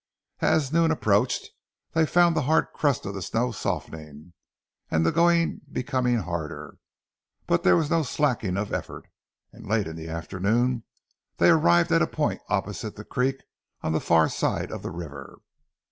As noon approached they found the hard crust of the snow softening, and the going becoming harder, but there was no slackening of effort, and late in the afternoon they arrived at a point opposite the creek on the far side of the river.